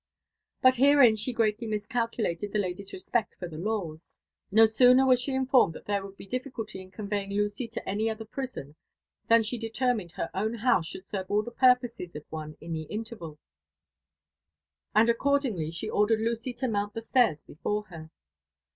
But herein she greatly miscalculated that lady's respect for the laws : no sooner was she informed that there would be difficulty in conveying Lucy to any other prison, than she determined her own house should serve all the purposes of one in the interval; and accordingly she ordered Lucy to mount the 3tairs before her.